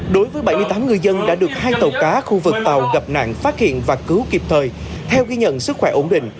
đối với bảy mươi tám ngư dân đã được hai tàu cá khu vực tàu gặp nạn phát hiện và cứu kịp thời